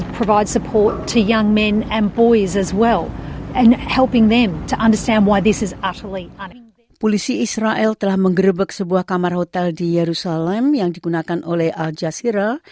polisi israel telah menggerebek sebuah kamar hotel di yerusalem yang digunakan oleh al jasiral